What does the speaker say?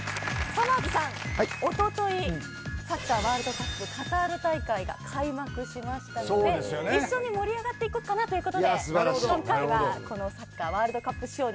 さまぁずさんおとといサッカーワールドカップカタール大会が開幕しましたので一緒に盛り上がっていこうかなということで今回はこのサッカーワールドカップ仕様になっているんですが。